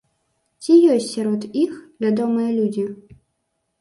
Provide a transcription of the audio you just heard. Ці ёсць сярод іх вядомыя людзі?